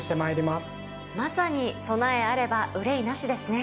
まさに「備えあれば憂いなし」ですね。